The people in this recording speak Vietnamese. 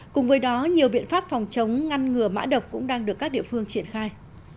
cùng với đó nhiều biện pháp phòng chống ngăn ngừa mã độc cũng đang được các địa phương triển khai